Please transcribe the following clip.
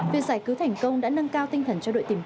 việc giải cứu thành công đã nâng cao tinh thần